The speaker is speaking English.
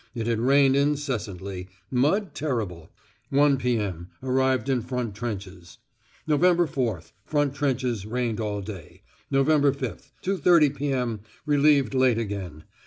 It had rained incessantly. Mud terrible. 1.0 p.m. Arrived in front trenches. Nov. 4th. Front trenches. Rained all day. Nov. 5th. 2.30 p.m. Relieved late again.